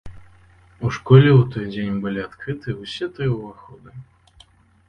У школе ў той дзень былі адкрытыя ўсе тры ўваходы.